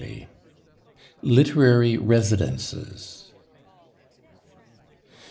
LITERARY RESIDENCES.